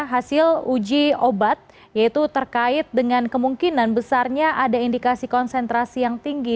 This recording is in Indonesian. hasil uji obat yaitu terkait dengan kemungkinan besarnya ada indikasi konsentrasi yang tinggi